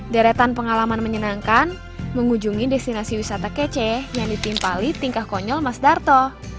deretan pengalaman menyenangkan mengunjungi destinasi wisata kece yang ditimpali tingkah konyol mas darto